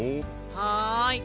はい。